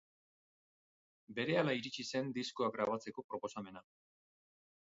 Berehala iritsi zen diskoa grabatzeko proposamena.